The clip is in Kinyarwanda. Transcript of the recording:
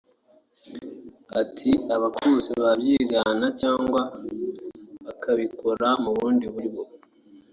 Ati” Abakuze babyigana cyangwa bakabikora mu bundi buryo